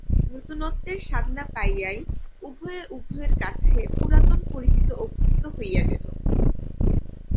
নূতনত্বের স্বাদ না পাইয়াই উভয়ে উভয়ের কাছে পুরাতন পরিচিত অভ্যস্ত হইয়া গেল।